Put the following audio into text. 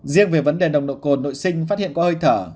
riêng về vấn đề nồng độ cồn nội sinh phát hiện có hơi thở